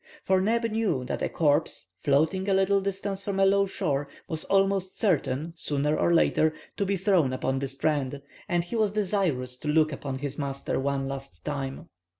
For Neb knew that a corpse, floating a little distance from a low shore, was almost certain, sooner or later, to be thrown upon the strand, and he was desirous to look upon his master one last time.